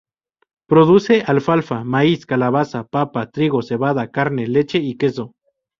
Produce alfalfa, maíz, calabaza, papa, trigo, cebada, carne, leche y queso.